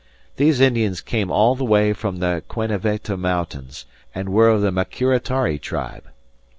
These Indians came all the way from the Queneveta mountains, and were of the Maquiritari tribe.